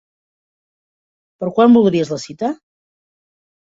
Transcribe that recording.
Per quan voldries la cita?